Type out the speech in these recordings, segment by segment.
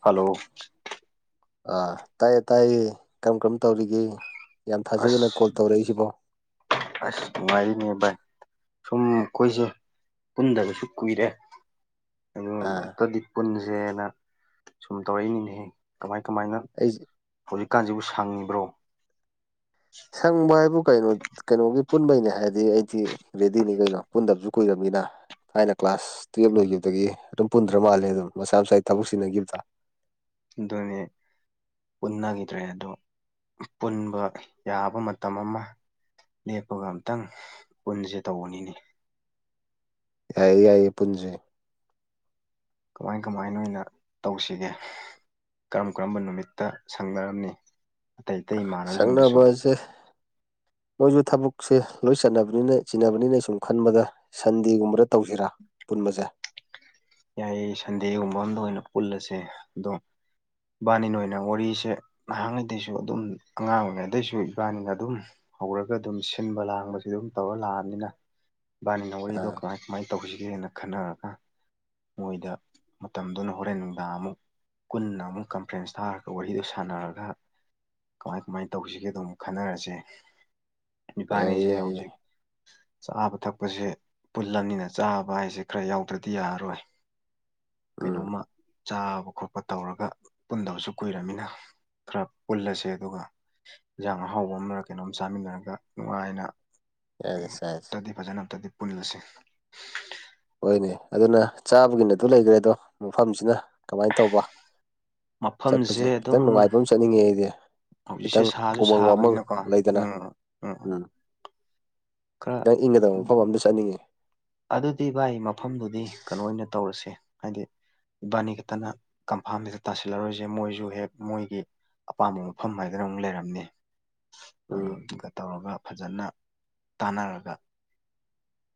hello ꯑꯥ ꯇꯥꯏꯌꯦ ꯇꯥꯏꯌꯦ ꯀꯔꯝ ꯀꯔꯝ ꯇꯧꯔꯤꯒꯦ ꯌꯥꯝ ꯊꯥꯖꯗꯅ ꯀꯣꯜ ꯑꯁ ꯇꯧꯔꯛꯏꯁꯤꯕꯣ ꯑꯁ ꯅꯨꯡꯉꯥꯏꯌꯦꯅꯦ ꯕꯥꯏ ꯁꯨꯝ ꯑꯩꯈꯣꯏꯁꯦ ꯄꯨꯟꯗꯕꯁꯨ ꯀꯨꯏꯔꯑꯦ ꯑꯗꯨ ꯑꯥ ꯑꯝꯇꯗꯤ ꯄꯨꯟꯁꯦꯅ ꯁꯨꯝ ꯇꯧꯔꯛꯏꯅꯤꯅꯦꯍꯦ ꯀꯃꯥꯏ ꯀꯃꯥꯏꯅ ꯑꯩꯁꯦ ꯍꯧꯖꯤꯛꯀꯥꯟꯁꯤꯕꯨ ꯁꯪꯉꯤꯕ꯭ꯔꯣ ꯁꯪꯕ ꯍꯥꯏꯕꯨ ꯀꯩꯅꯣ ꯀꯩꯅꯣꯒꯤ ꯄꯨꯟꯕꯩꯅꯦ ꯍꯥꯏꯔꯗꯤ ꯑꯩꯗꯤ ꯔꯦꯗꯤꯅꯤ ꯀꯩꯅꯣ ꯄꯨꯟꯗꯕꯁꯨ ꯀꯨꯏꯔꯕꯃꯤꯅ ꯊꯥꯏꯅ ꯀ꯭ꯂꯥꯁ ꯇꯨꯌꯦꯜꯕ ꯂꯣꯏꯈꯤꯕꯗꯒꯤ ꯑꯗꯨꯝ ꯄꯨꯟꯗ꯭ꯔ ꯃꯥꯜꯂꯦ ꯑꯗꯨꯝ ꯃꯁꯥ ꯃꯁꯥꯒꯤ ꯊꯕꯛ ꯁꯤꯖꯤꯟꯅꯈꯤꯕꯗ ꯗꯣꯅꯦ ꯄꯨꯟꯅꯈꯤꯗ꯭ꯔꯦ ꯑꯗꯣ ꯄꯨꯟꯕ ꯌꯥꯕ ꯃꯇꯝ ꯑꯃ ꯂꯦꯞꯄꯒ ꯑꯝꯇꯪ ꯄꯨꯟꯁꯦ ꯇꯧꯕꯅꯤꯅꯤ ꯌꯥꯏꯌꯦ ꯌꯥꯏꯌꯦ ꯄꯨꯟꯖꯦ ꯀꯃꯥꯏ ꯀꯃꯥꯏꯅ ꯑꯣꯏꯅ ꯇꯧꯁꯤꯒꯦ ꯀꯔꯝ ꯀꯔꯝꯕ ꯅꯨꯃꯤꯠꯇ ꯁꯪꯅꯔꯝꯃꯤ ꯁꯛꯅꯕꯁꯦ ꯃꯣꯏꯁꯨ ꯊꯕꯛꯁꯦ ꯂꯣꯏ ꯆꯠꯅꯕꯅꯤꯅ ꯆꯤꯟꯅꯅꯕꯅꯤꯅ ꯁꯨꯝ ꯈꯟꯕꯗ ꯁꯟꯗꯦꯒꯨꯝꯕꯗ ꯇꯧꯁꯤꯔꯥ ꯄꯨꯟꯕꯁꯦ ꯌꯥꯏꯌꯦ ꯁꯟꯗꯦꯒꯨꯝꯕ ꯑꯝꯗ ꯑꯣꯏꯅ ꯄꯨꯜꯂꯁꯦ ꯑꯗꯣ ꯕꯥꯟꯅꯤꯅ ꯑꯣꯏꯅ ꯋꯥꯔꯤꯁꯦ ꯅꯍꯥꯟꯉꯩꯗꯩꯁꯨ ꯑꯗꯨꯝ ꯑꯉꯥꯡꯉꯩ ꯑꯗꯩꯁꯨ ꯏꯕꯥꯅꯤꯅ ꯑꯗꯨꯝ ꯍꯧꯔꯒ ꯑꯗꯨꯝ ꯁꯤꯟꯕ ꯂꯥꯡꯕꯁꯨ ꯑꯗꯨꯝ ꯇꯧꯔ ꯂꯥꯛꯑꯅꯤꯅ ꯏꯕꯥꯅꯤꯅ ꯋꯥꯔꯤꯗꯣ ꯑꯥ ꯀꯃꯥꯏ ꯀꯃꯥꯏꯅ ꯇꯧꯁꯤꯒꯦꯅ ꯈꯟꯅꯔꯒ ꯃꯣꯏꯗ ꯃꯇꯝꯗꯨꯅ ꯍꯣꯔꯦꯟ ꯅꯨꯡꯗꯥꯡ ꯑꯃꯨꯛ ꯄꯨꯟꯅ ꯑꯃꯨꯛ ꯀꯟꯐ꯭ꯔꯦꯟꯁ ꯊꯥꯔꯒ ꯋꯥꯔꯤꯗꯨ ꯁꯥꯟꯅꯔꯒ ꯀꯃꯥꯏ ꯀꯃꯥꯏꯅ ꯇꯧꯁꯤꯒꯦ ꯑꯗꯨꯝ ꯈꯟꯅꯔꯁꯦ ꯌꯥꯏꯌꯦ ꯏꯕꯥꯅꯤꯁꯦ ꯌꯥꯏꯌꯦ ꯍꯧꯖꯤꯛ ꯆꯥꯕ ꯊꯛꯄꯁꯦ ꯄꯨꯜꯂꯅꯤꯅ ꯆꯥꯕ ꯍꯥꯏꯁꯦ ꯈꯔ ꯌꯥꯎꯗ꯭ꯔꯗꯤ ꯌꯥꯔꯔꯣꯏ ꯎꯝ ꯀꯩꯅꯣꯝꯃ ꯆꯥꯕ ꯈꯣꯠꯄ ꯇꯧꯔꯒ ꯄꯨꯟꯗꯕꯁꯨ ꯀꯨꯏꯔꯕꯅꯤꯅ ꯈꯔ ꯄꯨꯜꯂꯁꯦ ꯑꯗꯨꯒ ꯌꯦꯟꯁꯥꯡ ꯑꯍꯥꯎꯕ ꯑꯃ ꯀꯩꯅꯣꯝ ꯆꯥꯃꯤꯟꯅꯔꯒ ꯅꯨꯡꯉꯥꯏꯅ ꯌꯥꯏꯌꯦ ꯝ ꯆꯥꯏꯁꯦ ꯇꯗꯤ ꯐꯖꯅ ꯑꯝꯇꯗꯤ ꯄꯨꯜꯂꯁꯤ ꯍꯣꯏꯅꯦ ꯑꯗꯨꯅ ꯆꯥꯕꯒꯤꯅꯠꯇ ꯂꯩꯈ꯭ꯔꯦ ꯑꯗꯣ ꯃꯐꯝꯁꯤꯅ ꯀꯃꯥꯏꯅ ꯇꯧꯕ ꯃꯐꯝꯁꯦ ꯆꯠꯄꯁꯦ ꯑꯗꯨꯝ ꯈꯤꯇꯪ ꯅꯨꯡꯉꯥꯏꯕ ꯑꯃ ꯆꯠꯅꯤꯡꯉꯦ ꯑꯩꯗꯤ ꯍꯧꯖꯤꯛꯁꯦ ꯈꯤꯇꯪ ꯁꯥꯁꯨ ꯎꯃꯪ ꯋꯥꯃꯪ ꯁꯥꯕꯅꯤꯅꯀꯣ ꯂꯩꯗꯅ ꯎꯝ ꯎꯝ ꯈꯔ ꯈꯤꯇꯪ ꯏꯪꯒꯗꯕ ꯃꯐꯝ ꯑꯃꯗ ꯆꯠꯅꯤꯡꯉꯦ ꯑꯗꯨꯗꯤ ꯚꯥꯏ ꯃꯐꯝꯗꯨꯗꯤ ꯀꯩꯅꯣ ꯑꯣꯏꯅ ꯇꯧꯔꯁꯦ ꯍꯥꯏꯗꯤ ꯏꯕꯥꯅꯤ ꯈꯛꯇꯅ ꯀꯝꯐꯥꯝꯁꯤꯗ ꯇꯥꯁꯤꯜꯂꯔꯣꯏꯁꯦ ꯃꯣꯏꯁꯨ ꯍꯦꯛ ꯃꯣꯏꯒꯤ ꯑꯄꯥꯝꯕ ꯃꯐꯝ ꯍꯥꯏꯗꯅ ꯑꯃꯨꯛ ꯂꯩꯔꯝꯅꯤ ꯎꯝ ꯇꯧꯔꯒ ꯐꯖꯅ ꯇꯥꯟꯅꯔꯒ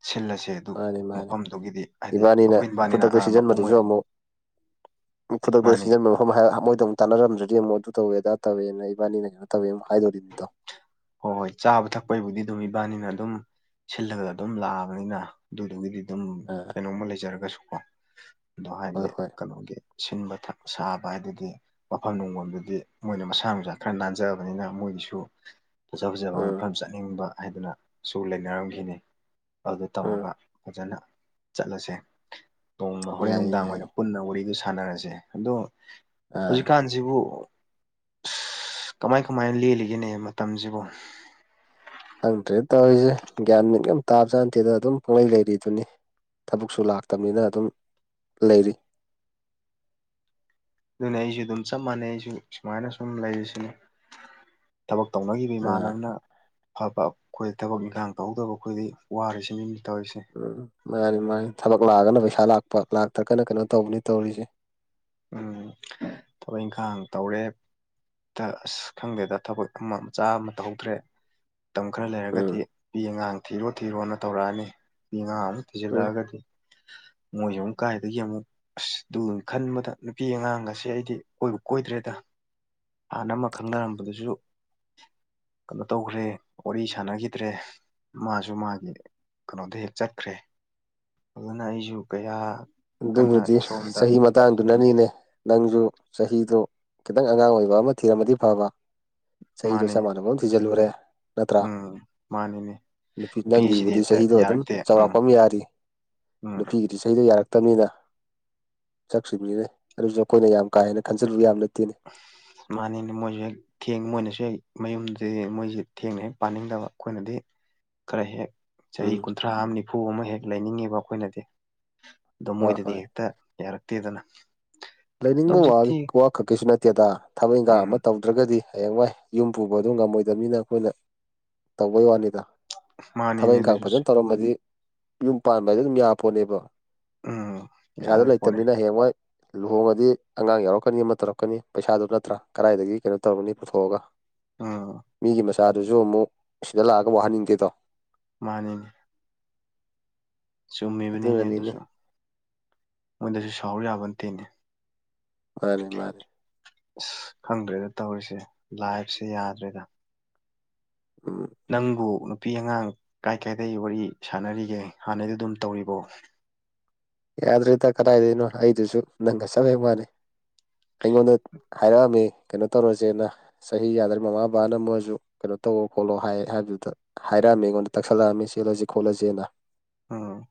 ꯁꯤꯜꯂꯁꯦ ꯑꯗꯨ ꯃꯥꯅꯤ ꯃꯥꯅꯤ ꯃꯐꯝꯗꯨꯒꯤꯗꯤ ꯍꯥꯏꯗꯤ ꯏꯕꯥꯅꯤꯅ ꯑꯩꯈꯣꯏ ꯏꯕꯥꯅꯤꯅ ꯈꯨꯗꯛꯇ ꯃꯄꯨꯡ ꯑꯣꯏꯅꯔ ꯈꯨꯗꯗꯣ ꯁꯝ ꯃꯣꯏꯗ ꯑꯃꯨꯛ ꯇꯥꯟꯅꯔꯝꯗ꯭ꯔꯗꯤ ꯑꯃꯨꯛ ꯑꯗꯨ ꯇꯧꯦꯗꯥ ꯇꯧꯋꯦꯅ ꯏꯕꯥꯅꯤꯅ ꯀꯩꯅꯣ ꯇꯧꯋꯦ ꯑꯃꯨ ꯍꯥꯏꯗꯣꯔꯤꯕꯅꯤꯗꯣ ꯍꯣꯏ ꯍꯣꯏ ꯆꯥꯕ ꯊꯛꯄꯒꯤꯕꯨꯗꯤ ꯑꯗꯨꯝ ꯏꯕꯥꯅꯤꯅ ꯑꯗꯨꯝ ꯁꯤꯜꯂꯒ ꯑꯗꯨꯝ ꯂꯥꯛꯑꯕꯅꯤꯅ ꯑꯗꯨꯗꯨꯒꯤꯗꯤ ꯑꯗꯨꯝ ꯑꯥ ꯀꯩꯅꯣꯝꯃ ꯂꯩꯖꯔꯒꯁꯨꯀꯣ ꯑꯗꯣ ꯍꯣꯏ ꯍꯥꯏꯗꯤ ꯍꯣꯏ ꯀꯩꯅꯣꯒꯤ ꯁꯤꯟꯕ ꯁꯥꯕ ꯍꯥꯏꯗꯨꯗꯤ ꯃꯐꯝ ꯅꯨꯡꯐꯝꯗꯗꯤ ꯃꯣꯏꯅ ꯃꯁꯥ ꯃꯁꯥ ꯈꯔ ꯅꯥꯟꯖꯕꯅꯤꯅ ꯃꯣꯏꯒꯤ ꯑꯩ ꯁꯨ ꯐꯖ ꯐꯖꯕ ꯎꯝ ꯃꯐꯝ ꯆꯠꯅꯤꯡꯕ ꯍꯥꯏꯗꯨꯅꯁꯨꯨ ꯂꯩꯅꯔꯝꯈꯤꯅꯤ ꯑꯗꯨ ꯎꯝ ꯇꯧꯔꯒ ꯐꯖꯅ ꯆꯠꯂꯁꯦ ꯇꯣꯡꯃ ꯍꯣꯔꯦꯟ ꯌꯥꯏꯌꯦ ꯅꯨꯡꯗꯥꯡ ꯑꯣꯏꯅ ꯌꯥꯏꯌꯦ ꯄꯨꯟꯅ ꯋꯥꯔꯤꯗꯨ ꯁꯥꯟꯅꯔꯁꯦ ꯑꯗꯣ ꯑꯥ ꯍꯧꯖꯤꯛꯀꯥꯟ ꯁꯤꯕꯨ ꯑ ꯀꯃꯥꯏ ꯀꯃꯥꯏꯅ ꯂꯦꯜꯂꯤꯒꯦꯅꯦ ꯃꯇꯝꯁꯤꯕꯨ ꯍꯪꯗ꯭ꯔꯦ ꯇꯧꯔꯤꯁꯦ ꯒ꯭ꯌꯥꯟ ꯌꯥꯝ ꯇꯥꯕꯁꯨꯥꯅꯗꯦꯗ ꯑꯗꯨꯝ ꯄꯣꯡꯂꯩ ꯂꯩꯔꯤꯗꯨꯅꯤ ꯊꯕꯛꯁꯨ ꯂꯥꯛꯇꯕꯅꯤꯅ ꯑꯗꯨꯝ ꯂꯩꯔꯤ ꯑꯗꯨꯅ ꯑꯩꯁꯨ ꯑꯗꯨꯝ ꯆꯞ ꯃꯥꯟꯅꯩ ꯑꯩꯁꯨ ꯁꯨꯃꯥꯏꯅ ꯁꯨꯝ ꯂꯩꯔꯤꯁꯤꯅ ꯊꯕꯛ ꯇꯧꯅꯈꯤꯕ ꯑꯥ ꯏꯃꯥꯟꯅꯕꯅ ꯐꯕ ꯑꯩꯈꯣꯏꯗ ꯊꯕꯛ ꯏꯪꯈꯥꯡ ꯇꯧꯍꯧꯗꯕ ꯑꯩꯈꯣꯏꯗꯤ ꯋꯥꯔꯤꯔꯤꯁꯤꯦ ꯃꯤꯃꯤꯡ ꯇꯧꯔꯤꯁꯦ ꯎꯝ ꯃꯥꯅꯤ ꯃꯥꯅꯤ ꯊꯕꯛ ꯂꯥꯛꯑꯒꯅ ꯄꯩꯁꯥ ꯂꯥꯛꯄ ꯂꯥꯛꯇ꯭ꯔꯒꯅ ꯀꯩꯅꯣ ꯇꯧꯕꯅꯤ ꯇꯧꯔꯤꯁꯦ ꯎꯝ ꯊꯕꯛ ꯏꯪꯈꯥꯡ ꯇꯧꯔꯦ ꯗ ꯑꯁ ꯈꯪꯗꯦꯗ ꯊꯕꯛ ꯑꯃ ꯃꯆꯥ ꯑꯃ ꯇꯧꯗ꯭ꯔꯦ ꯃꯇꯝ ꯈꯔ ꯂꯩꯔꯒꯗꯤ ꯎꯝ ꯄꯄꯤ ꯑꯉꯥꯡ ꯊꯤꯔꯣ ꯊꯤꯔꯣꯅ ꯇꯧꯔꯛꯑꯅꯤ ꯄꯄꯤ ꯑꯉꯥꯡ ꯑꯃꯨꯛ ꯎꯝ ꯊꯤꯖꯤꯜꯂꯛꯑꯒꯗꯤ ꯃꯣꯏꯁꯦ ꯑꯃꯨꯛ ꯀꯥꯏꯗꯒꯤ ꯑꯃꯨꯛ ꯑꯁ ꯑꯗꯨ ꯈꯟꯕꯗ ꯅꯨꯄꯤ ꯑꯉꯥꯡ ꯑꯁꯦ ꯑꯩꯗꯤ ꯀꯣꯏꯕ ꯀꯣꯏꯗ꯭ꯔꯦꯗ ꯍꯥꯟꯅ ꯑꯃ ꯈꯪꯅꯔꯝꯕꯗꯁꯨ ꯀꯩꯅꯣ ꯇꯧꯈ꯭ꯔꯦ ꯋꯥꯔꯤ ꯁꯥꯟꯅꯈꯤꯗ꯭ꯔꯦ ꯃꯥꯁꯨ ꯃꯥꯒꯤ ꯀꯩꯅꯣꯗ ꯍꯦꯛ ꯆꯠꯈ꯭ꯔꯦ ꯑꯗꯨꯅ ꯑꯩꯁꯨ ꯀꯌꯥ ꯀꯟꯅ ꯑꯗꯨꯗꯨꯕꯨꯖꯤ ꯁꯣꯝꯗ ꯁ ꯃ ꯃꯇꯥꯡꯗꯨꯅꯅꯤꯅꯦ ꯅꯪꯁꯨ ꯆꯍꯤꯗꯨ ꯈꯤꯇꯪ ꯑꯉꯥꯡ ꯑꯣꯏꯕ ꯑꯃ ꯊꯤꯔꯝꯃꯗꯤ ꯐꯕ ꯁꯍꯤ ꯇꯣ ꯃꯥꯅꯦ ꯁꯅ ꯀꯣꯁꯤ ꯖꯔꯨꯔꯦ ꯎꯝ ꯃꯥꯅꯤꯅꯦ ꯅꯨꯄꯤꯁꯤꯗꯤ ꯅꯪꯒꯤꯕꯨꯗꯤ ꯍꯦꯛꯇ ꯆꯍꯤꯗꯣ ꯑꯗꯨꯝ ꯌꯥꯔꯛꯇꯦ ꯎꯝ ꯎꯝ ꯏꯁꯩꯗ ꯌꯥꯔꯦ ꯐꯠꯇꯕꯅꯤꯅ ꯁꯛꯁꯤ ꯃꯤꯔ ꯑꯗꯨꯁꯨ ꯑꯩꯈꯣꯏꯅ ꯌꯥꯝ ꯀꯥ ꯍꯦꯟꯅ ꯈꯟꯖꯟꯕ ꯌꯥꯝ ꯅꯠꯇꯦꯅꯤ ꯃꯥꯅꯤꯅ ꯃꯣꯏꯦꯜ ꯊꯦꯡ ꯃꯣꯏꯅꯁꯨ ꯍꯦꯛ ꯃꯌꯨꯝꯁ ꯃꯣꯏꯁꯤꯦ ꯊꯦꯡꯅ ꯍꯦꯛ ꯄꯥꯅꯤꯡꯗꯕ ꯑꯩꯈꯣꯏꯅꯗꯤ ꯈꯔꯦ ꯍꯦꯛ ꯆꯍꯤ ꯎꯝ ꯀꯨꯟꯊ꯭ꯔꯥ ꯑꯃ ꯅꯤꯐꯨ ꯑꯃ ꯍꯦꯛ ꯂꯩꯅꯤꯡꯉꯦꯕ ꯑꯩꯈꯣꯏꯅꯗꯤ ꯑꯗꯣ ꯍꯣꯏ ꯃꯣꯏꯗꯗꯤ ꯍꯣꯏ ꯍꯦꯛꯇ ꯌꯥꯔꯛꯇꯦꯗꯅ ꯑꯗꯣ ꯂꯩꯅꯤꯡꯕ ꯋꯥ ꯍꯧꯖꯤꯛꯇꯤ ꯋꯥ ꯈꯛꯀꯤꯁꯨ ꯅꯠꯇꯦꯗꯥ ꯊꯕꯛ ꯏꯪꯈꯥꯡ ꯎꯝ ꯑꯃ ꯇꯧꯗ꯭ꯔꯒꯗꯤ ꯍꯌꯦꯡ ꯋꯥꯏ ꯌꯨꯝ ꯄꯨꯕ ꯑꯗꯨ ꯉꯝꯃꯣꯏꯗꯕꯅꯤꯅ ꯑꯩꯈꯣꯏꯅ ꯇꯧꯕꯩ ꯋꯥꯅꯤꯗ ꯊꯕꯛ ꯃꯥꯅꯤꯅꯦ ꯏꯪꯈꯥꯡ ꯑꯗꯨꯁꯨ ꯐꯖꯅ ꯇꯧꯔꯝꯕꯗꯤ ꯌꯨꯝ ꯄꯥꯟꯕ ꯍꯥꯏꯗ ꯑꯗꯨꯝ ꯌꯥ ꯄꯣꯠꯅꯦꯕ ꯎꯝ ꯄꯩꯁꯥꯗꯣ ꯌꯥꯔꯦ ꯄꯣꯠꯅꯦ ꯂꯩꯇꯕꯅꯤꯅ ꯍꯌꯦꯡꯋꯥꯏ ꯂꯨꯍꯣꯡꯉꯗꯤ ꯑꯉꯥꯡ ꯌꯥꯎꯔꯛꯀꯅꯤ ꯑꯃ ꯇꯧꯔꯛꯀꯅꯤ ꯄꯩꯁꯥꯗꯨꯣ ꯅꯠꯇ꯭ꯔꯥ ꯀꯗꯥꯏꯗꯒꯤ ꯀꯩꯅꯣ ꯇꯧꯔꯅꯤ ꯄꯨꯊꯣꯛꯑꯒ ꯎꯝ ꯃꯤꯒꯤ ꯃꯆꯥꯗꯨꯁꯨ ꯑꯃꯨꯛ ꯁꯤꯗ ꯂꯥꯛꯑꯒ ꯋꯥꯍꯟꯅꯤꯡꯗꯦꯗꯣ ꯃꯥꯅꯤꯅ‌ꯦ ꯆꯨꯝꯃꯤꯕꯅꯤꯅꯦ ꯑꯗꯨꯅꯅꯤꯅꯦ ꯑꯗꯨꯁꯨ ꯃꯣꯏꯗꯁꯨ ꯁꯥꯎꯔꯨ ꯌꯥꯕ‌ꯣꯟꯇ‌‌ꯦꯅ‌ꯦ ꯃꯥꯅꯤ ꯃꯥꯅꯤ ꯑꯁ ꯈꯪꯗ꯭ꯔꯦꯗ ꯇꯧꯔꯤꯁꯦ ꯂꯥꯏꯐꯁꯦ ꯌꯥꯗ꯭ꯔꯦꯗ ꯎꯝ ꯅꯪꯕꯨ ꯅꯨꯄꯤ ꯑꯉꯥꯡ ꯀꯥꯏ ꯀꯥꯏꯗꯒꯤ ꯋꯥꯔꯤ ꯁꯥꯟꯅꯔꯤꯒꯦ ꯍꯥꯟꯅꯗꯤ ꯑꯗꯨꯝ ꯇꯧꯔꯤꯕꯣ ꯌꯥꯗ꯭ꯔꯦꯗ ꯀꯗꯥꯏꯗꯅꯣ ꯑꯩꯗꯨꯁꯨ ꯅꯪꯒ ꯆꯞ ꯍꯦꯛ ꯃꯥꯟꯅꯩ ꯑꯩꯉꯣꯟꯗ ꯍꯥꯏꯔꯛꯑꯝꯃꯤ ꯀꯩꯅꯣ ꯇꯧꯔꯁꯦꯅ ꯆꯍꯤ ꯌꯥꯗ꯭ꯔ ꯃꯃꯥ ꯕꯥꯅ ꯃꯣꯏꯁꯨ ꯀꯩꯅꯣ ꯇꯧꯔꯣ ꯈꯣꯠꯂꯣ ꯍꯥꯏ ꯍꯥꯏꯕꯗꯨꯗ ꯍꯥꯏꯔꯛꯑꯝꯃꯦ ꯑꯩꯉꯣꯟꯗ ꯇꯛꯁꯜꯂꯛꯑꯝꯃꯦ ꯆꯦꯜꯂꯁꯤ ꯈꯣꯠꯂꯁꯦꯅ ꯎꯝ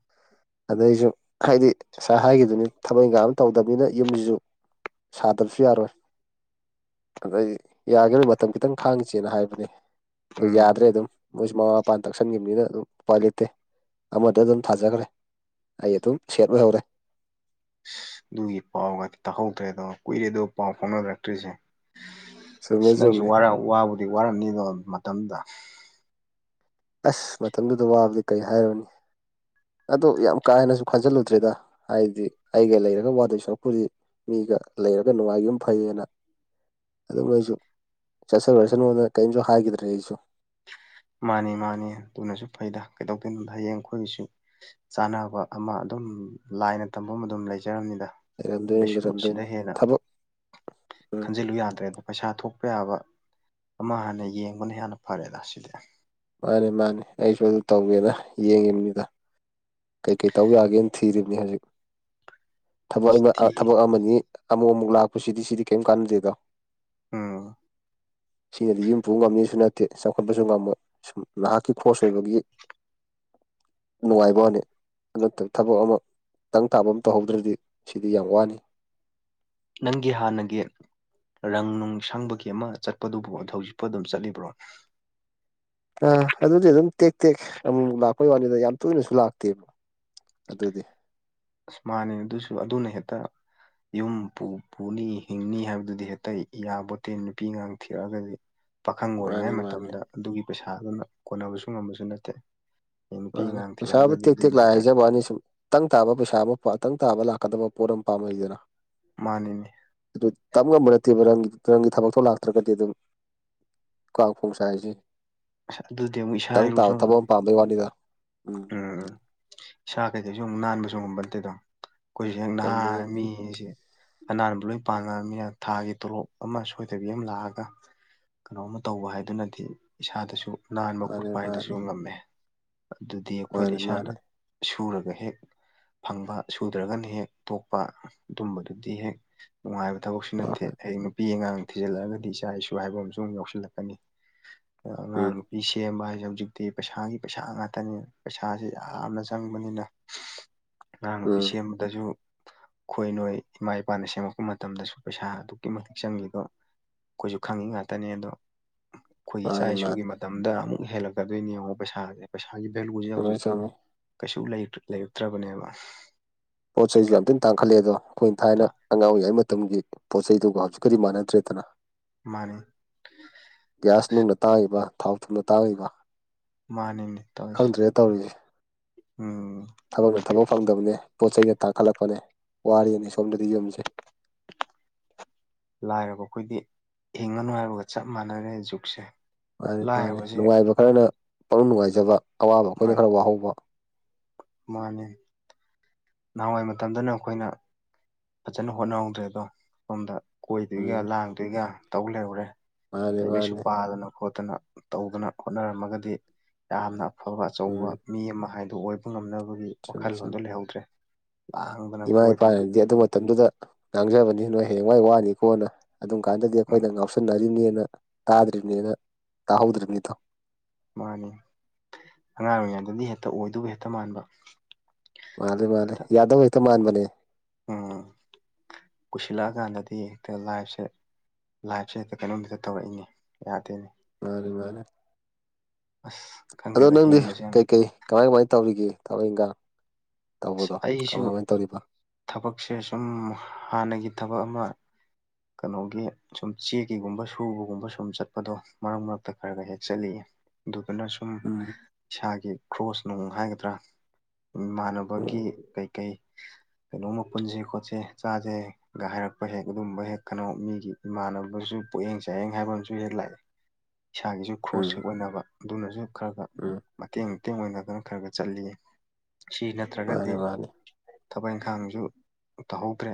ꯑꯗꯩꯁꯨ ꯍꯥꯏꯗꯤ ꯉꯁꯥꯏ ꯍꯥꯏꯒꯤꯗꯨꯅꯤ ꯊꯕꯛ ꯏꯪꯈꯥꯡ ꯑꯃ ꯇꯧꯗꯕꯅꯤꯅ ꯌꯨꯝꯁꯤꯁꯨ ꯁꯥꯗꯕꯁꯨ ꯌꯥꯔꯣꯏ ꯑꯗ ꯌꯥꯒꯔꯣꯏ ꯃꯇꯝ ꯈꯤꯇꯪ ꯈꯥꯡꯉꯁꯦꯅ ꯍꯥꯏꯕꯅꯦ ꯑ ꯎꯝ ꯌꯥꯗ꯭ꯔꯦ ꯑꯗꯨꯝ ꯃꯣꯏꯁꯨ ꯃꯃꯥ ꯃꯄꯥ ꯇꯛꯁꯟꯈꯤꯕꯅꯤꯅ ꯑꯗꯨꯝ ꯎꯄꯥꯏ ꯂꯤꯞꯇꯦ ꯑꯃꯗ ꯑꯗꯨꯝ ꯊꯥꯖꯈ꯭ꯔꯦ ꯑꯩ ꯑꯗꯨꯝ ꯁꯦꯠ ꯑꯣꯍꯧꯔꯦ ꯑꯁ ꯑꯗꯨꯒꯤ ꯄꯥꯎꯒꯗꯤ ꯇꯥꯛꯍꯧꯗ꯭ꯔꯦꯗꯣ ꯀꯨꯏꯔꯦꯗꯣ ꯄꯥꯎ ꯐꯥꯎꯅꯔꯛꯇ꯭ꯔꯤꯁꯦ ꯆꯨꯝꯃꯦ ꯑꯁ ꯅꯪꯁꯨ ꯆꯨꯝꯃꯦ ꯋꯥꯔꯥ ꯋꯥꯕꯨꯗꯤ ꯋꯥꯔꯝꯅꯤꯗꯣ ꯃꯇꯝꯗ ꯑꯁ ꯃꯇꯝꯗꯨꯗ ꯋꯥꯕꯗꯤ ꯀꯩ ꯍꯥꯏꯔꯨꯅꯤ ꯑꯗꯣ ꯌꯥꯝ ꯀꯥ ꯍꯦꯟꯅꯁꯨ ꯈꯟꯖꯤꯜꯂꯨꯗ꯭ꯔꯦꯗ ꯍꯥꯏꯗꯤ ꯑꯩꯒ ꯂꯩꯔꯒ ꯋꯥꯗꯣꯏ ꯁꯔꯛꯄꯨꯗꯤ ꯃꯤꯒ ꯂꯩꯔꯒ ꯅꯨꯡꯉꯥꯏꯒꯤꯝ ꯐꯩꯌꯦꯅ ꯑꯗꯨꯝ ꯑꯩꯁꯨ ꯆꯠꯆꯥꯒ꯭ꯔꯥꯁꯅꯨꯗꯅ ꯀꯩꯝꯁꯨ ꯍꯥꯏꯈꯤꯗ꯭ꯔꯦ ꯑꯩꯁꯨ ꯃꯥꯅꯤ ꯃꯥꯅꯤ ꯑꯗꯨꯅꯁꯨ ꯐꯩꯗ ꯀꯩꯗꯧꯗꯣꯏꯅꯣꯗ ꯍꯌꯦꯡ ꯑꯩꯈꯣꯏꯒꯤꯁꯨ ꯆꯥꯅꯕ ꯑꯃ ꯑꯗꯨꯝ ꯂꯥꯏꯅ ꯇꯝꯕꯝ ꯑꯗꯨꯝ ꯂꯩꯖꯔꯝꯅꯤꯗ ꯂꯩꯔꯝꯗꯣꯏꯅꯤ ꯀꯩꯁꯨ ꯁꯤꯗ ꯂꯩꯔꯝꯗꯣꯏꯅꯤ ꯍꯦꯟꯅ ꯊꯕꯛ ꯎꯝ ꯈꯟꯖꯤꯜꯂꯨ ꯌꯥꯗ꯭ꯔꯦ ꯄꯩꯁꯥ ꯊꯣꯛꯄ ꯌꯥꯕ ꯑꯃ ꯍꯥꯟꯅ ꯌꯦꯡꯕꯅ ꯍꯦꯟꯅ ꯐꯔꯦꯗ ꯁꯤꯗꯤ ꯃꯥꯅꯦ ꯃꯥꯅꯦ ꯑꯩꯁꯨ ꯑꯗꯨ ꯇꯧꯒꯦꯅ ꯌꯦꯡꯉꯤꯝꯅꯤꯗ ꯀꯩꯀꯩ ꯇꯧ ꯌꯥꯒꯦꯅ ꯊꯤꯔꯤꯝꯅꯤ ꯍꯧꯖꯤꯛ ꯊꯕꯛ ꯊꯤ [unintelligible] ꯊꯕꯛ ꯑꯃꯅꯤ ꯑꯃꯨꯛ ꯑꯃꯨꯛ ꯂꯥꯛꯄꯁꯤꯗꯤ ꯁꯤꯗꯤ ꯀꯔꯤꯝ ꯀꯥꯟꯅꯗꯦꯗꯣ ꯎꯝ ꯁꯤꯅꯗꯤ ꯌꯨꯝ ꯄꯨ ꯉꯝꯃꯤꯁꯨ ꯅꯠꯇꯦ ꯆꯥꯎꯈꯠꯄꯁꯨ ꯉꯝꯃ‌ꯣꯏ ꯁꯨꯝ ꯅꯍꯥꯛꯀꯤ ꯈꯣꯁ ꯑꯣꯏꯕꯒꯤ ꯅꯨꯡꯉꯥꯏꯕꯩꯋꯥꯅꯤ ꯑꯗꯨ ꯅꯠꯇꯕ ꯊꯕꯛ ꯑꯃ ꯇꯪ ꯇꯥꯕ ꯑꯃ ꯇꯧꯍꯧꯗ꯭ꯔꯗꯤ ꯁꯤꯗꯤ ꯌꯥꯝ ꯋꯥꯅꯤ ꯅꯪꯒꯤ ꯍꯥꯥꯟꯅꯒꯤ ꯔꯪ ꯅꯨꯡ ꯁꯪꯕꯒꯤ ꯑꯃ ꯆꯠꯄꯗꯨꯕꯨ ꯍꯧꯖꯤꯛꯐꯥꯎ ꯑꯗꯨꯝ ꯆꯠꯂꯤꯕ꯭ꯔꯣ ꯑꯥ ꯑꯗꯨꯗꯤ ꯑꯗꯨꯝ ꯇꯦꯛ ꯇꯦꯛ ꯑꯃꯨ ꯃꯨꯛ ꯂꯥꯛꯄꯩ ꯋꯥꯅꯤꯗ ꯌꯥꯝ ꯇꯣꯏꯅꯁꯨ ꯂꯥꯛꯇꯦ ꯑꯗꯨꯗꯤ ꯑꯁ ꯃꯥꯅꯤ ꯑꯗꯨꯁꯨ ꯑꯗꯨꯅ ꯍꯦꯛꯇ ꯌꯨꯝ ꯄꯨ ꯄꯨꯅꯤ ꯍꯤꯡꯅꯤ ꯍꯥꯏꯕꯗꯨꯗꯤ ꯍꯦꯛꯇ ꯌꯥꯕꯣꯠꯇꯦ ꯅꯨꯄꯤꯉꯥꯡ ꯊꯤꯔꯛꯑꯒꯗꯤ ꯄꯥꯈꯪ ꯃꯥꯅꯤ ꯑꯣꯏꯔꯤꯉꯩ ꯃꯥꯅꯤ ꯃꯇꯝꯗ ꯑꯗꯨꯒꯤ ꯄꯩꯁꯥ ꯑꯗꯨꯅ ꯀꯣꯟꯅꯕꯁꯨ ꯉꯝꯕꯁꯨ ꯅꯠꯇꯦ ꯅꯨꯄꯤ ꯃꯥꯅꯤ ꯑꯉꯥꯡ ꯄꯩꯁꯥꯕꯨ ꯊꯤꯔꯛꯑꯒꯗꯤ ꯇꯦꯛ ꯇꯦꯛ ꯑꯗꯨꯅ ꯂꯥꯛꯑꯦ ꯍꯦꯛꯇ ꯍꯥꯏꯖꯕꯩ ꯋꯥꯅꯤ ꯁꯨꯝ ꯇꯪ ꯇꯥꯕ ꯄꯩꯁꯥ ꯑꯃ ꯇꯪ ꯇꯥꯕ ꯂꯥꯛꯀꯗꯕ ꯄꯣꯠ ꯑꯃ ꯄꯥꯝꯃꯛꯏꯗꯅ ꯃꯥꯅꯤꯅ‌ꯦ ꯑꯗꯨ ꯇꯝ ꯉꯝꯕ ꯅꯠꯇꯦꯕ ꯔꯪ ꯔꯪꯒꯤ ꯊꯕꯛꯛꯇꯣ ꯂꯥꯛꯇ꯭ꯔꯒꯗꯤ ꯑꯗꯨꯝ ꯀꯥꯡ ꯈ‌ꯣꯡ ꯆꯥꯏꯁ‌ꯦ ꯑꯁ ꯑꯗꯨꯗꯤ ꯑꯃꯨꯛ ꯏꯁꯥ ꯏꯔꯨꯁꯨ ꯑꯃꯨꯛ ꯑꯃ ꯄꯥꯝꯕꯩ ꯋꯥꯅꯤꯗ ꯎꯝ ꯎꯝ ꯎꯝ ꯏꯁꯥ ꯀꯩꯗꯩꯁꯨꯛ ꯅꯥꯟꯕꯁꯨ ꯉꯝꯕ ꯅꯠꯇꯦꯗꯣ ꯑꯩꯈꯣꯏꯁꯦ ꯍꯦꯛ ꯅꯍꯥ ꯉꯝꯗꯤ ꯉꯝꯗꯤ ꯃꯤꯁꯦ ꯑꯅꯥꯟꯕ ꯂꯣꯏ ꯄꯥꯝꯃꯥꯃꯤꯅ ꯊꯥꯒꯤ ꯇꯣꯂꯣꯞ ꯑꯃ ꯁꯣꯏꯗꯕꯤ ꯑꯃ ꯂꯥꯛꯑꯒ ꯀꯩꯅꯣꯝꯃ ꯇꯧꯕ ꯍꯥꯏꯗꯨꯅꯗꯤ ꯏꯁꯥꯗꯁꯨ ꯅꯥꯟꯕ ꯃꯥꯅꯤ ꯈꯣꯠꯄ ꯍꯥꯏꯗꯨꯁꯨ ꯃꯥꯅꯤ ꯉꯝꯃꯦ ꯑꯗꯨꯗꯤ ꯑꯩꯈꯣꯏꯅ ꯃꯥꯅꯤ ꯏꯁꯥꯅ ꯃꯥꯅꯤ ꯁꯨꯔꯒ ꯍꯦꯛ ꯐꯪꯕ ꯁꯨꯗ꯭ꯔꯒꯅ ꯍꯦꯛ ꯇꯣꯛꯄ ꯑꯗꯨꯝꯕꯗꯨꯗꯤ ꯍꯦꯛ ꯅꯨꯡꯉꯥꯏꯕ ꯊꯕꯛꯁꯨ ꯅꯠꯇꯦ ꯍꯣꯏ ꯍꯌꯦ ꯅꯨꯄꯤ ꯑꯉꯥꯡ ꯊꯤꯖꯤꯜꯂꯛꯂꯒꯗꯤ ꯍꯣꯏ ꯏꯆꯥ ꯏꯁꯨ ꯍꯥꯏꯕ ꯑꯃꯁꯨ ꯑꯃꯨꯛ ꯌꯥꯎꯁꯤꯜꯂꯛꯀꯅꯤ ꯑꯉꯥꯡ ꯎꯝ ꯅꯨꯄꯤ ꯁꯦꯝꯕ ꯍꯥꯏꯁꯦ ꯍꯧꯖꯤꯛꯇꯤ ꯄꯩꯁꯥꯒꯤ ꯄꯩꯁꯥ ꯉꯥꯛ ꯉꯥꯛꯇꯅꯤ ꯄꯩꯁꯥꯁꯤ ꯌꯥꯝꯅ ꯆꯪꯕꯅꯤꯅ ꯑꯉꯥꯡ ꯅꯨꯄꯤ ꯎꯝ ꯁꯦꯝꯕꯗꯁꯨ ꯈꯣꯏ ꯅꯣꯏ ꯏꯃꯥ ꯏꯄꯥꯅ ꯁꯦꯝꯃꯛꯄ ꯃꯇꯝꯗꯁꯨ ꯄꯩꯁꯥ ꯑꯗꯨꯛꯀꯤ ꯃꯇꯤꯛ ꯆꯪꯒꯤꯗꯣ ꯑꯩꯈꯣꯏꯁꯨ ꯈꯪꯉꯤ ꯉꯥꯛꯇꯅꯦ ꯑꯗꯣ ꯑꯩꯈꯣꯏꯒꯤ ꯏꯆꯥ ꯃꯥꯅꯤ ꯏꯁꯨꯒꯤ ꯃꯥꯅꯤ ꯃꯇꯝꯗ ꯑꯃꯨꯛ ꯍꯦꯜꯂꯛꯀꯗꯣꯏꯅꯤ ꯌꯦꯡꯉꯣ ꯄꯩꯁꯥꯁꯦ ꯄꯩꯁꯥꯒꯤ ꯚꯦꯂꯨꯁꯦ ꯆꯨꯝꯃꯦ ꯍꯧꯖꯤꯛ ꯆꯨꯝꯃꯦ ꯀꯩꯁꯨ ꯂꯩꯔꯛ ꯂꯩꯔꯛꯇ꯭ꯔꯕꯅꯦꯕ ꯄꯣꯠ ꯆꯩꯁꯨ ꯌꯥꯝ ꯊꯤ ꯇꯥꯡꯈꯠꯂꯛꯑꯦꯗꯣ ꯑꯗꯣꯈꯣꯏ ꯊꯥꯏꯅ ꯑꯉꯥꯡ ꯑꯣꯏꯔꯤꯉꯩ ꯃꯥ ꯇꯝꯒꯤ ꯄꯣꯠ ꯆꯩꯗꯨꯒ ꯍꯧꯖꯤꯛꯀꯗꯤ ꯃꯥꯟꯅꯗ꯭ꯔꯦꯗꯅ ꯃꯥꯅꯦ ꯒ꯭ꯌꯥꯁ ꯅꯨꯡꯅ ꯇꯥꯡꯉꯤꯕ ꯊꯥꯎ ꯊꯨꯝꯅ ꯇꯥꯡꯉꯤꯕ ꯃꯥꯅꯤꯅꯦ ꯇꯧꯁꯦ ꯈꯪꯗ꯭ꯔꯦ ꯇꯧꯔꯤꯁꯦ ꯎꯝ ꯊꯕꯛꯅ ꯊꯕꯛ ꯐꯪꯗꯕꯅꯦ ꯄꯣꯠ ꯆꯩꯅ ꯇꯥꯡꯈꯠꯂꯛꯄꯅꯦ ꯋꯥꯔꯦꯅꯤ ꯁꯣꯝꯗꯗꯤ ꯌꯨꯝꯁꯦ ꯂꯥꯏꯔꯕ ꯑꯩꯈꯣꯏꯗꯤ ꯍꯤꯡꯉꯅꯨ ꯍꯥꯏꯕꯒ ꯆꯞ ꯃꯥꯟꯅꯔꯦ ꯖꯨꯛꯁꯦ ꯃꯥꯅꯤ ꯃꯥꯅꯤ ꯂꯥꯏꯔꯕꯁꯦ ꯅꯨꯡꯉꯥꯏꯕ ꯈꯔꯅ ꯄꯅꯨꯡ ꯅꯨꯡꯉꯥꯏꯖꯕ ꯑꯋꯥꯕ ꯑꯩꯈꯣꯏꯅ ꯈꯔ ꯋꯥꯍꯧꯕ ꯃꯥꯅꯦ ꯅꯍꯥꯟꯋꯥꯏ ꯃꯇꯝꯗꯅ ꯑꯩꯈꯣꯏꯅ ꯐꯖꯅ ꯍꯣꯠꯅꯍꯧꯗ꯭ꯔꯦꯗꯣ ꯁꯣꯝꯗ ꯀꯣꯏꯗꯣꯏꯒ ꯎꯝ ꯂꯥꯡꯗꯣꯏꯒ ꯇꯧ ꯂꯩꯍꯧꯔꯦ ꯃꯥꯅꯤ ꯂꯥꯏꯔꯤꯛ ꯂꯥꯏꯁꯨ ꯃꯥꯅꯤ ꯄꯥꯗꯅ ꯈꯣꯠꯇꯅ ꯇꯧꯗꯅ ꯍꯣꯠꯅꯔꯝꯃꯒꯗꯤ ꯌꯥꯝꯅ ꯑꯐꯕ ꯑꯆꯧꯕ ꯎꯝ ꯃꯤ ꯑꯃ ꯍꯥꯏꯗꯨ ꯑꯣꯏꯕ ꯉꯝꯅꯕꯒꯤ ꯆꯨꯝꯃꯤ ꯆꯨꯝꯃꯤ ꯋꯥꯈꯜꯂꯣꯟꯗꯨ ꯂꯩꯍꯧꯗ꯭ꯔꯦ [unintelligible] ꯏꯃꯥ ꯏꯄꯥꯅꯗꯤ ꯑꯗꯨ ꯃꯇꯝꯗꯨꯗ ꯉꯥꯡꯖꯕꯅꯤ ꯅꯣꯏ ꯍꯌꯦꯡꯋꯥꯏ ꯋꯥꯅꯤꯀꯣꯅ ꯑꯗꯨꯝ ꯀꯥꯟꯗꯗꯤ ꯎꯝ ꯑꯩꯈꯣꯏꯅ ꯉꯥꯎꯁꯟꯅꯔꯤꯅꯦꯅ ꯇꯥꯗ꯭ꯔꯤꯕꯅꯦꯅ ꯇꯥꯍꯧꯗ꯭ꯔꯤꯕꯅꯤꯗꯣ ꯃꯥꯅꯤ ꯑꯉꯥꯡ ꯑꯣꯏꯔꯤꯉꯩꯗꯗꯤ ꯍꯦꯛꯇ ꯑꯣꯏꯗꯨꯕꯨ ꯍꯦꯛꯇ ꯃꯥꯟꯕ ꯃꯥꯂꯤ ꯃꯥꯂꯤ ꯍꯦꯛꯇ ꯌꯥꯗꯧ ꯍꯦꯛꯇ ꯃꯥꯟꯕꯅꯦ ꯎꯝ ꯀꯨꯏꯁꯤꯜꯂꯛꯑꯀꯥꯟꯗꯗꯤ ꯍꯦꯛꯇ ꯂꯥꯏꯐꯁꯦ ꯂꯥꯏꯐꯁꯦ ꯍꯦꯛꯇ ꯀꯩꯅꯣꯝꯗ ꯇꯧꯔꯛꯏꯅꯦ ꯌꯥꯗꯦꯅꯦ ꯃꯥꯅꯤ ꯃꯥꯅꯤ ꯑꯁ ꯑꯗꯣ ꯈꯪꯗꯦꯗ ꯅꯪꯗꯤ ꯍꯤꯡꯕꯁꯦ ꯌꯥꯝ ꯀꯩꯀꯩ ꯀꯃꯥꯏ ꯀꯃꯥꯏ ꯇꯧꯔꯤꯒꯦ ꯊꯕꯛ ꯏꯪꯒꯥꯡ ꯑꯩꯁꯨ ꯊꯕꯛꯁꯦ ꯁꯨꯝ ꯍꯥꯟꯅꯒꯤ ꯊꯕꯛ ꯑꯃ ꯀꯩꯅꯣꯒꯤ ꯁꯨꯝ ꯆꯦꯛꯀꯤꯒꯨꯝꯕ ꯁꯨꯕꯒꯨꯝꯕ ꯁꯨꯝ ꯆꯠꯄꯗꯣ ꯃꯔꯛ ꯃꯔꯛꯇ ꯈꯔ ꯈ ꯍꯦꯛ ꯆꯠꯂꯤꯌꯦ ꯑꯗꯨꯗꯨꯅ ꯁꯨꯝ ꯎꯝ ꯏꯁꯥꯒꯤ ꯀ꯭ꯔꯣꯁ ꯅꯨꯡ ꯍꯥꯏꯒꯗ꯭ꯔꯥ ꯎꯝ ꯏꯃꯥꯟꯅꯕꯒꯤ ꯀꯩ ꯀꯩ ꯀꯩꯅꯣꯝꯃ ꯄꯨꯟꯁꯤ ꯈꯣꯠꯁꯤ ꯆꯥꯁꯦꯒ ꯍꯥꯏꯔꯛꯄ ꯍꯦꯛ ꯑꯗꯨꯝꯕ ꯍꯦꯛ ꯀꯩꯅꯣ ꯃꯤꯒꯤ ꯏꯃꯥꯟꯅꯕꯁꯨ ꯄꯣꯛꯌꯦꯡ ꯆꯥꯏꯌꯦꯡ ꯍꯥꯏꯕ ꯑꯃꯁꯨ ꯍꯦꯛ ꯂꯥꯛꯏ ꯏꯁꯥꯒꯤꯁꯨ ꯎꯝ ꯈ꯭ꯔꯣꯁꯁꯨ ꯑꯣꯏꯅꯕ ꯑꯗꯨꯅꯁꯨ ꯈꯔ ꯈꯔ ꯎꯝ ꯃꯇꯦꯡ ꯃꯇꯦꯡ ꯑꯣꯏꯅꯗꯅ ꯈꯔ ꯈꯔ ꯆꯠꯂꯤ ꯁꯤ ꯅꯠꯇ꯭ꯔꯒꯗꯤ ꯃꯥꯅꯤ ꯃꯥꯅꯤ ꯊꯕꯛ ꯏꯪꯈꯥꯡꯁꯨ ꯇꯧꯍꯧꯗ꯭ꯔꯦ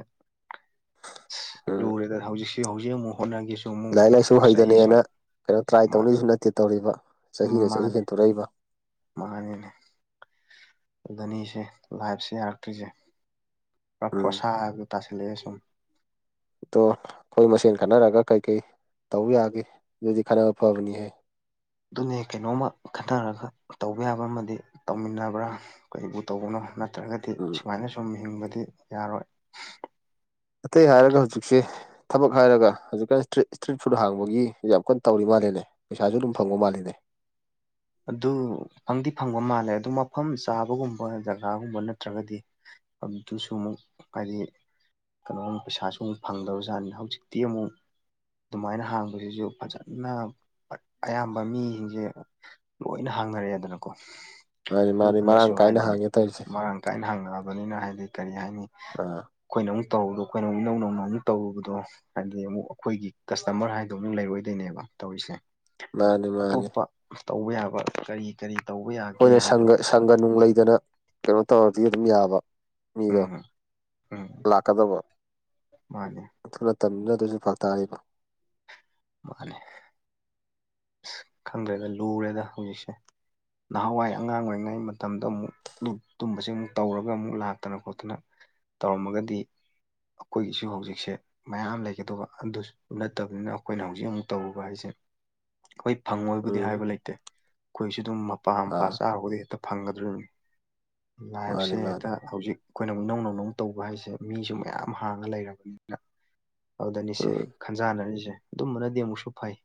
ꯎꯝ ꯂꯨꯔꯦꯗ ꯍꯧꯖꯤꯛꯁꯤ ꯍꯧꯖꯤꯛ ꯑꯃꯨꯛ ꯍꯣꯠꯅꯒꯦꯁꯨ ꯑꯃꯨꯛ ꯂꯥꯏꯔꯤꯛ ꯂꯥꯏꯁꯨ ꯆꯍꯤꯁꯨ ꯍꯩꯗꯅꯦꯅ ꯀꯩꯅꯣ ꯇ꯭ꯔꯥꯏ ꯇꯧꯅꯁꯨ ꯅꯠꯇꯦ ꯇꯧꯔꯤꯕ ꯆꯍꯤꯅ ꯆꯍꯤ ꯃꯥꯅꯦ ꯍꯦꯟꯇꯣꯔꯛꯏꯕ ꯃꯥꯅꯤꯅꯦ ꯑꯗꯨꯗꯅꯤꯁꯦ ꯂꯥꯏꯐꯁꯦ ꯌꯥꯔꯛꯇ꯭ꯔꯤꯁꯦ ꯄꯨꯔꯥ ꯎꯝ ꯐꯣꯁꯥ ꯍꯥꯏꯕꯗꯣ ꯇꯥꯁꯟꯂꯛꯑꯦ ꯁꯨꯝ ꯑꯇꯣ ꯑꯩꯈꯣꯏ ꯃꯁꯦꯟ ꯈꯟꯅꯔꯒ ꯀꯩꯀꯩ ꯇꯧꯕ ꯌꯥꯒꯦ ꯑꯗꯨꯗꯤ ꯈꯟꯅꯅꯕ ꯐꯕꯅꯤꯍꯦ ꯑꯗꯨꯅꯦ ꯀꯩꯅꯣꯝꯃ ꯈꯟꯅꯔꯒ ꯇꯧꯕ ꯌꯥꯕ ꯑꯃꯗꯤ ꯇꯧꯃꯤꯟꯅꯕ꯭ꯔꯥ ꯀꯩꯕꯨꯨ ꯇꯧꯕꯅꯣ ꯅꯠꯇ꯭ꯔꯒꯗꯤ ꯎꯝ ꯁꯨꯃꯥꯏꯅ ꯁꯨꯝ ꯍꯤꯡꯕꯗꯤ ꯌꯥꯔꯣꯏ ꯑꯇꯩ ꯍꯥꯏꯔꯒ ꯍꯧꯖꯤꯛꯁꯦ ꯊꯕꯛ ꯍꯥꯏꯔꯒ ꯍꯧꯖꯤꯛꯀꯥꯟ ꯏꯁꯇ꯭ꯔꯤꯠ ꯏꯁꯇ꯭ꯔꯤꯠ ꯐꯨꯗ ꯍꯥꯡꯕꯒꯤ ꯌꯥꯝ ꯀꯟꯅ ꯇꯧꯔꯤ ꯃꯥꯜꯂꯦꯅꯦ ꯄꯩꯁꯥꯁꯨ ꯑꯗꯨꯝ ꯐꯪꯕ ꯃꯥꯜꯂꯤꯅꯦ ꯑꯗꯨ ꯐꯪꯗꯤ ꯐꯪꯕ ꯃꯥꯜꯂꯦ ꯑꯗꯨ ꯃꯐꯝ ꯆꯥꯕꯒꯨꯝꯕ ꯖꯒꯥꯒꯨꯝꯕ ꯅꯠꯇ꯭ꯔꯒꯗꯤ [unintelligible] ꯍꯥꯏꯗꯤ ꯀꯩꯅꯣ ꯄꯩꯁꯥꯁꯨ ꯑꯃꯨꯛ ꯐꯪꯗꯕꯖꯥꯠꯅꯤꯅꯦ ꯍꯧꯖꯤꯛꯇꯤ ꯑꯃꯨꯛ ꯑꯗꯨꯃꯥꯏꯅ ꯍꯥꯡꯕꯁꯤꯁꯨ ꯐꯖꯅ ꯑꯌꯥꯝꯕ ꯃꯤꯁꯤꯡꯁꯦ ꯂꯣꯏꯅ ꯍꯥꯡꯅꯔꯑꯦꯗꯅꯀꯣ ꯃꯥꯅꯤ ꯃꯥꯅꯤ ꯃꯔꯥꯡ ꯑꯗꯨꯗꯨꯅꯁꯨ ꯀꯥꯏꯅ ꯍꯥꯏꯗꯤ ꯍꯥꯡꯉꯦ ꯇꯧꯔꯤꯁꯦ ꯃꯔꯥꯡ ꯀꯥꯏꯅ ꯍꯥꯡꯅꯕꯅꯤꯅ ꯍꯥꯏꯗꯤ ꯀꯔꯤ ꯍꯥꯏꯅꯤ ꯑ ꯑꯩꯈꯣꯏꯅ ꯑꯃꯨꯛ ꯇꯧꯕꯗꯣ ꯑꯩꯈꯣꯏ ꯑꯃꯨꯛ ꯏꯅꯧ ꯅꯧꯅ ꯑꯃꯨꯛ ꯇꯧꯔꯨꯕꯗꯣ ꯍꯥꯏꯗꯤ ꯑꯃꯨꯛ ꯑꯩꯈꯣꯏꯒꯤ ꯀꯁꯇꯃꯔ ꯍꯥꯏꯗꯣ ꯑꯃꯨꯛ ꯂꯩꯔꯣꯏꯗꯣꯏꯅꯦꯕ ꯇꯧꯔꯤꯁꯦ ꯃꯥꯅꯤ ꯃꯥꯅꯤ ꯑꯇꯣꯞꯄ ꯇꯧꯕ ꯌꯥꯕ ꯀꯔꯤ ꯀꯔꯤ ꯇꯧꯕ ꯌꯥꯒꯦ ꯑꯩꯈꯣꯏꯅ ꯍꯥꯏꯗꯣ ꯁꯪꯒ ꯈꯔ ꯁꯪꯒ ꯅꯨꯡ ꯂꯩꯗꯅ ꯀꯩꯅꯣ ꯇꯧꯔꯗꯤ ꯑꯗꯨꯝ ꯌꯥꯕ ꯃꯤꯗꯣ ꯎꯝ ꯎꯝ ꯂꯥꯛꯀꯗꯕ ꯃꯥꯅꯦ ꯑꯗꯨꯅ ꯃꯇꯝꯝꯗꯨꯅ ꯑꯗꯨꯁꯨ ꯐꯛ ꯇꯥꯔꯤꯕ ꯃꯥꯂꯦ ꯑꯁ ꯈꯪꯗ꯭ꯔꯦꯗ ꯂꯨꯔꯦꯗ ꯍꯧꯖꯤꯛꯁꯦ ꯅꯍꯥꯟꯋꯥꯏ ꯑꯉꯥꯡ ꯑꯣꯏꯔꯤꯉꯩ ꯃꯇꯝꯗ ꯑꯃꯨꯛ ꯇꯨꯝꯕꯁꯦ ꯑꯃꯨꯛ ꯇꯧꯔꯒ ꯑꯃꯨꯛ ꯂꯥꯛꯇꯅ ꯈꯣꯠꯇꯅ ꯇꯧꯔꯝꯃꯒꯗꯤ ꯑꯩꯈꯣꯏꯒꯤꯁꯨ ꯍꯧꯖꯤꯛꯁꯦ ꯃꯌꯥꯝ ꯂꯩꯒꯗꯧꯕ ꯑꯗꯨꯁꯨ ꯅꯠꯇꯕꯅꯤꯅ ꯑꯩꯈꯣꯏꯅ ꯍꯧꯖꯤꯛ ꯑꯃꯨꯛ ꯇꯧꯔꯨꯕ ꯍꯥꯏꯁꯦ ꯑꯩꯈꯣꯏ ꯐꯪꯉꯣꯏꯕꯨꯗꯤ ꯎꯝ ꯍꯥꯏꯕ ꯂꯩꯇꯦ ꯑꯩꯈꯣꯏꯁꯨ ꯑꯗꯨꯝ ꯃꯄꯥ ꯃꯄꯥ ꯑꯥ ꯆꯥꯔꯨꯕꯗꯤ ꯍꯦꯛꯇ ꯐꯪꯒꯗꯣꯔꯤꯕꯅꯤ ꯂꯥꯏꯐꯁꯦ ꯃꯥꯅꯤ ꯃꯥꯅꯤ ꯍꯦꯛꯇ ꯍꯧꯖꯤꯛ ꯑꯩꯈꯣꯏꯅ ꯑꯃꯨꯛ ꯅꯧ ꯅꯧꯅꯧ ꯇꯧꯕ ꯍꯥꯏꯁꯦ ꯃꯤꯁꯨ ꯃꯌꯥꯝ ꯍꯥꯡꯉ ꯂꯩꯔꯕꯅꯤꯅ ꯑꯗꯨꯗꯅꯤꯁꯦ ꯎꯝ ꯈꯟꯖꯥꯟꯅꯅꯤꯁꯦ ꯑꯗꯨꯝꯕꯅꯗꯤ ꯑꯃꯨꯛꯁꯨ ꯐꯩ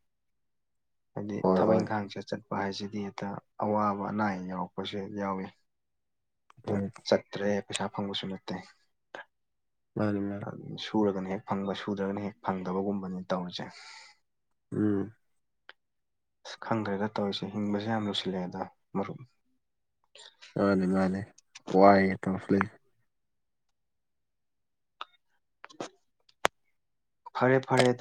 ꯍꯥꯏꯗꯤ ꯍꯣꯏ ꯊꯕꯛ ꯍꯣꯏ ꯏꯪꯈꯥꯡꯁꯦ ꯆꯠꯄ ꯍꯥꯏꯁꯤꯗꯤ ꯍꯦꯛꯇ ꯑꯋꯥꯕ ꯑꯅꯥ ꯑꯌꯦꯛ ꯌꯥꯎꯔꯛꯄꯁꯨ ꯌꯥꯎꯏꯤ ꯎꯝ ꯆꯠꯇ꯭ꯔꯦ ꯄꯩꯁꯥ ꯐꯪꯕꯁꯨ ꯅꯠꯇꯦ [unintelligible] ꯁꯨꯔꯒꯅ ꯍꯦꯛ ꯐꯪꯕ ꯁꯨꯗ꯭ꯔꯒꯅ ꯍꯦꯛ ꯐꯪꯗꯕꯒꯨꯝꯕꯅꯤ ꯇꯧꯔꯤꯁꯦ ꯎꯝ ꯑꯁ ꯈꯪꯗ꯭ꯔꯦꯗ ꯇꯧꯔꯤꯁꯦ ꯍꯤꯡꯕꯁꯦ ꯌꯥꯝ ꯂꯨꯁꯤꯜꯂꯛꯑꯦꯗ ꯃꯔꯨꯞ ꯃꯥꯅꯦ ꯃꯥꯅꯦ ꯋꯥꯏꯒ ꯊꯁ ꯂꯩ [unintelligible] ꯐꯔꯦ ꯐꯔꯦ ꯑꯗꯨ